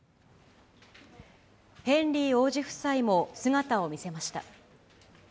ヘンリー王子夫妻も姿を見せました。